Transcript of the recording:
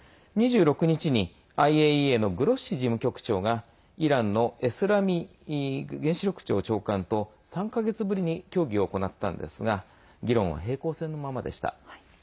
２６日にＩＡＥＡのグロッシ事務局長がイランのエスラミ原子力庁長官と３か月ぶりに協議を行ったんですが議論は平行線のままでした。